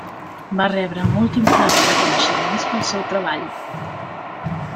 Va rebre múltiples reconeixements pel seu treball.